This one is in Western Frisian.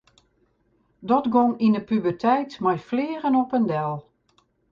Dat gong yn de puberteit mei fleagen op en del.